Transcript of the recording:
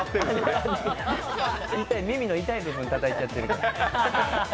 耳の痛い部分たたいちゃってるから。